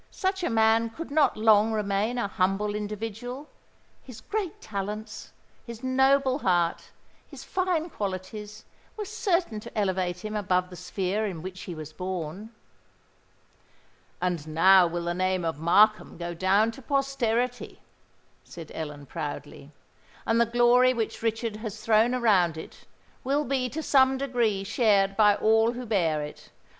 Such a man could not long remain a humble individual: his great talents—his noble heart—his fine qualities were certain to elevate him above the sphere in which he was born." "And now will the name of Markham go down to posterity," said Ellen, proudly: "and the glory which Richard has thrown around it, will be to some degree shared by all who bear it.